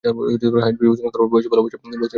হায় রে, বিবেচনা করবার বয়েস ভালোবাসার বয়েসের উলটোপিঠে।